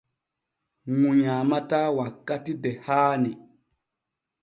Ŋu nyaamataa wakkati de haani.